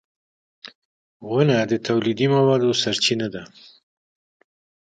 • ونه د تولیدي موادو سرچینه ده.